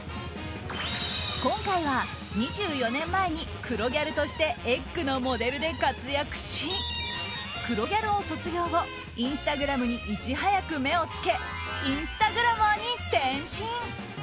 今回は２４年前に黒ギャルとして「ｅｇｇ」のモデルで活躍し黒ギャルを卒業後インスタグラムにいち早く目をつけインスタグラマーに転身。